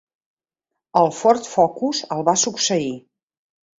El Ford Focus el va succeir.